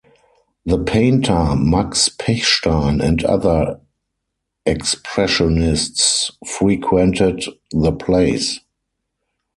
The painter Max Pechstein and other expressionists frequented the place.